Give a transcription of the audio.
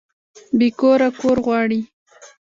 بې کوره کور غواړي